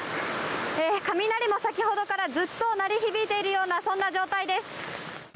雷も先ほどからずっと鳴り響いているようなそんな状態です。